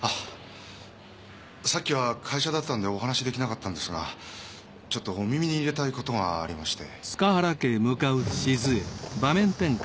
さっきは会社だったんでお話できなかったんですがちょっとお耳に入れたいことがありまして。